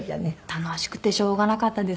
楽しくてしょうがなかったですね。